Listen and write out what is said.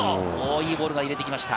いいボールを入れてきました。